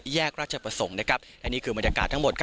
แยกราชประสงค์นะครับและนี่คือบรรยากาศทั้งหมดครับ